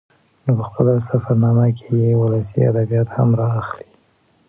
نو په خپله سفر نامه کې يې ولسي ادبيات هم راخلي